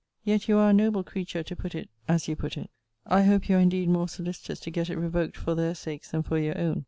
Yet you are a noble creature to put it, as you put it I hope you are indeed more solicitous to get it revoked for their sakes than for your own.